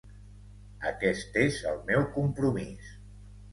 Aquest és el meu compromís.